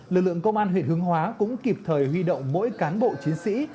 lực lượng công an huyện hướng hóa cũng kịp thời huy động mỗi cán bộ chiến sĩ